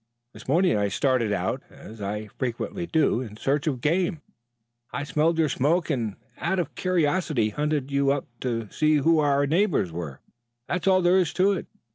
This morning I started out, as I frequently do, in search of game. I smelled your smoke and out of curiosity hunted you up to see who our neighbors were. That's all there is to it.